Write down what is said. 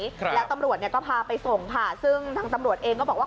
ครับแล้วตำรวจเนี้ยก็พาไปส่งค่ะซึ่งทางตำรวจเองก็บอกว่า